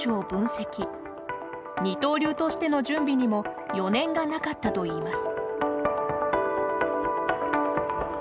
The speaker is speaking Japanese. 二刀流としての準備にも余念がなかったといいます。